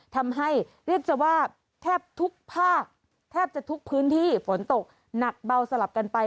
ทำให้เรียกจะว่าแทบทุกภาคแทบจะทุกพื้นที่ฝนตกหนักเบาสลับกันไป